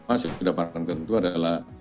masih di depan tentu adalah